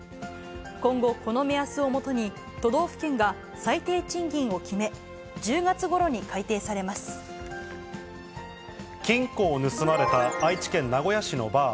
今後、この目安をもとに、都道府県が最低賃金を決め、金庫を盗まれた愛知県名古屋市のバー。